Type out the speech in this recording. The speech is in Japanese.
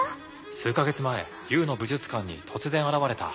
数か月前Ｕの武術館に突然現れた。